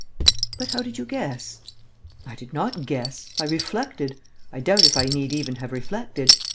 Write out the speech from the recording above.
"But how did you guess?..." "I did not guess. I reflected. I doubt if I need even have reflected.